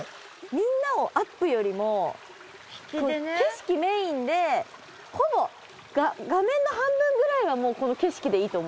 みんなをアップよりも景色メインでほぼ画面の半分ぐらいは景色でいいと思いますよ